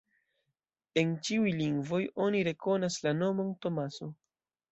En ĉiuj lingvoj oni rekonas la nomon Tomaso.